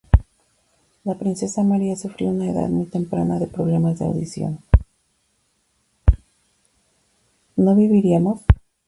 ¿no viviríamos?